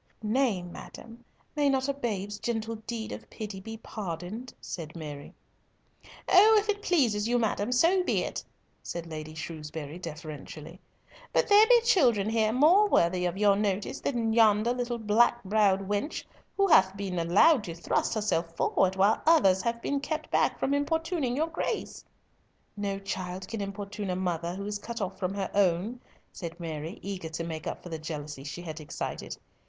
"Nay, madam, may not a babe's gentle deed of pity be pardoned?" said Mary. "Oh! if it pleasures you, madam, so be it," said Lady Shrewsbury, deferentially; "but there be children here more worthy of your notice than yonder little black browed wench, who hath been allowed to thrust herself forward, while others have been kept back from importuning your Grace." "No child can importune a mother who is cut off from her own," said Mary, eager to make up for the jealousy she had excited.